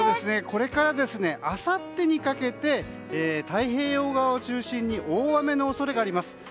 これからあさってにかけて太平洋側を中心に大雨の恐れがあります。